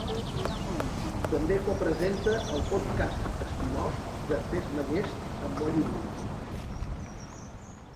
També copresenta el podcast "spin-off" de "Fes-me llest" amb Molly Wood.